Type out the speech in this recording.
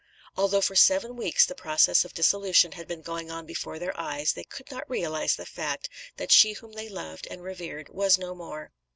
Although for seven weeks the process of dissolution had been going on before their eyes, they could not realise the fact that she whom they loved and revered was no more."